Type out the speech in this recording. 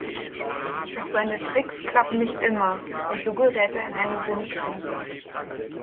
Doch seine Tricks klappen nicht immer, und so gerät er in eine Sinnkrise.